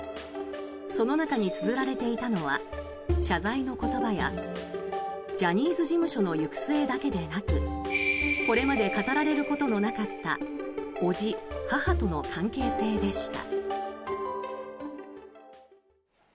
その中につづられていたのは謝罪の言葉やジャニーズ事務所の行く末だけでなくこれまで語られることのなかった叔父、母との関係性でした。